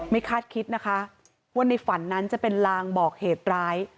คาดคิดนะคะว่าในฝันนั้นจะเป็นลางบอกเหตุร้าย